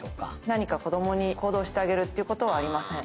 何か子どもに行動してあげるということはありません。